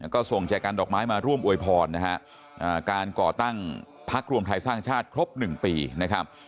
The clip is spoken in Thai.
ก็ส่งใจกันดอกไม้มาร่วมอวยพรนะฮะการก่อตั้งพักรวมไทยสร้างชาติครบ๑ปีนะครับ